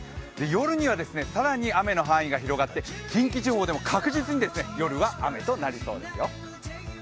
夜には更に雨の範囲が広がって近畿地方でも確実に夜は雨となりそうですよ。